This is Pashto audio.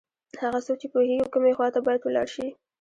هغه څوک چې پوهېږي کومې خواته باید ولاړ شي.